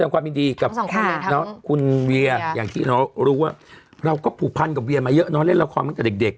ความยินดีกับคุณเวียอย่างที่เรารู้ว่าเราก็ผูปพันกับเวียมาเยอะนะ